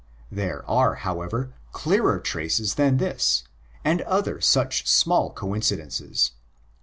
There are, however, clearer traces than this and other such small coincidences.